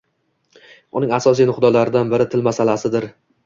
Uning asosiy nuqtalaridan biri – til masalasidir.